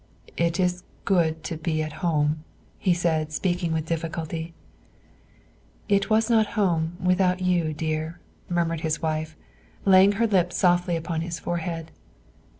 "It is good to be at home," he said, speaking with difficulty. "It was not home without you, dear," murmured his wife, laying her lips softly upon his forehead.